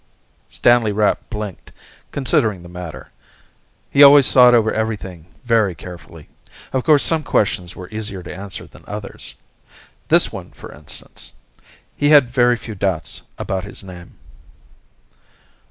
Stanley Rapp blinked, considering the matter. He always thought over everything very carefully. Of course, some questions were easier to answer than others. This one, for instance. He had very few doubts about his name.